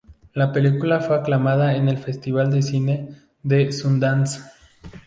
La película fue aclamada en el Festival de Cine de Sundance.